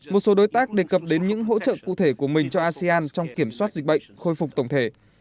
một số đối tác đề cập đến những hỗ trợ cụ thể của mình cho asean trong kiểm soát dịch bệnh khôi phục tổng thể